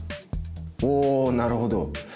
おなるほど。